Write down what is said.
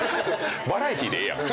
「バラエティー」でええやん。